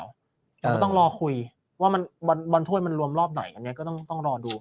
แต่ก็ต้องรอคุยว่าบอลถ้วยมันรวมรอบไหนอันนี้ก็ต้องรอดู